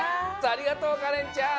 ありがとうかれんちゃん。